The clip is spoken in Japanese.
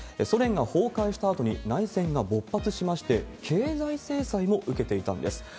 ソ連が崩壊したあとに内戦が勃発しまして、経済制裁も受けていたんです。